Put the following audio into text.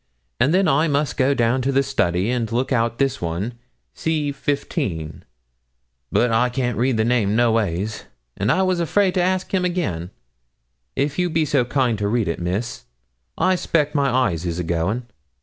And then I must go down to the study, and look out this one, "C, 15;" but I can't read the name, noways; and I was afraid to ask him again; if you be so kind to read it, Miss I suspeck my eyes is a going.'